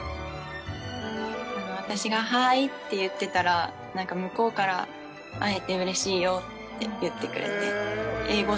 私がハーイって言ってたら、なんか向こうから、会えてうれしいよって言ってくれて、英語